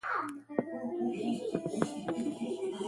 State lands include Fenton Lake State Park at in Sandoval County.